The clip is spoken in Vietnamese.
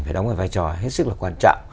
phải đóng một vai trò hết sức là quan trọng